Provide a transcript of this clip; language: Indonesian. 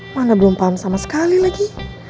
mana belum paham sama sekali lagi